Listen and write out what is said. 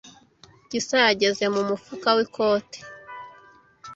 Gisa yageze mu mufuka w'ikoti.